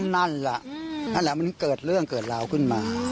นั่นแหละนั่นแหละมันเกิดเรื่องเกิดราวขึ้นมา